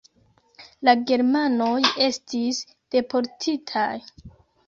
La germanoj estis deportitaj.